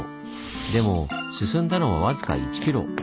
でも進んだのは僅か１キロ。